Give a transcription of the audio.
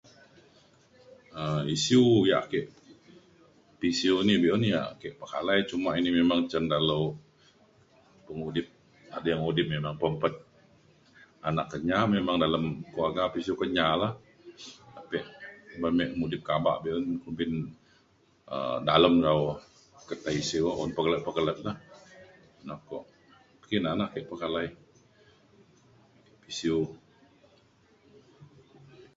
um isiu ia' ke pisiu ni be'un ia' ke pekalai cuma ini memang cen dalau pengudip ading udip ina pepet anak Kenyah memang dalem keluarga pisiu Kenyah la tapi ban me mudip kaba be'un kumbin um dalem lau ketai isiu un pekelet pekelet lah. na ko kina na ake pekalai pisiu.